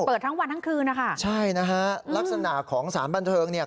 เปิดทั้งวันทั้งคืนนะคะใช่นะฮะลักษณะของสารบันเทิงเนี่ย